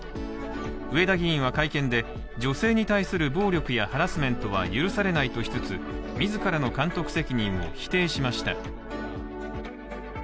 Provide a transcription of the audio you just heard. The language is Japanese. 上田議員は、会見で女性に対する暴力やハラスメントは許されないとしつつ、自らの監督責任を否定しました。